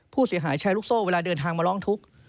ผู้เสียหายชายลูกโซ่เวลาเดินทางมาร้องทุกข์